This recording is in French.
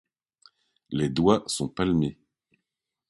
Les doigts sont palmés.